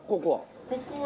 ここは。